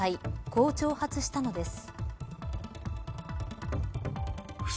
こう挑発したのです。